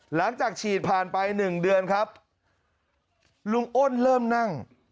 หลังจากฉีดผ่านไปหนึ่งเดือนครับลุงอ้นเริ่มนั่ง